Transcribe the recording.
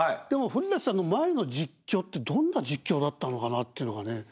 でも古さんの前の実況ってどんな実況だったのかなっていうのがね。